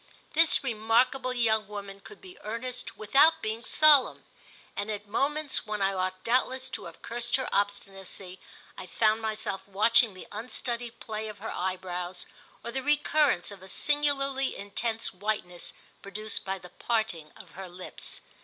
This remarkable young woman could be earnest without being solemn, and at moments when I ought doubtless to have cursed her obstinacy I found myself watching the unstudied play of her eyebrows or the recurrence of a singularly intense whiteness produced by the parting of her lips.